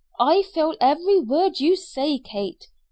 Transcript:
"I feel every word you say, Kate.